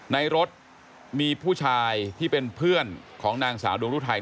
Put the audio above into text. ในรถมีผู้ชายที่เป็นเพื่อนของนางสาวดวงรุทัย